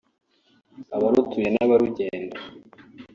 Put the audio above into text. abarutuye n’abarugenda